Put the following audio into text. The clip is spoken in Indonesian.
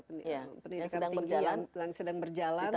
pendidikan tinggi yang sedang berjalan